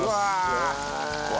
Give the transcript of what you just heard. うわ！